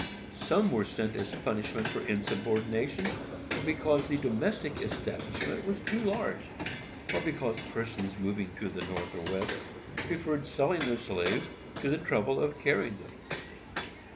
Some were sent as punishment for insubordination, or because the domestic establishment was too large, or because persons moving to the North or West preferred selling their slaves to the trouble of carrying them.